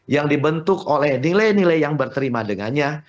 yang dibentuk oleh nilai nilai yang berterima dengannya